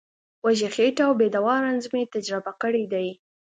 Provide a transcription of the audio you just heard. وږې خېټه او بې دوا رنځ مې تجربه کړی دی.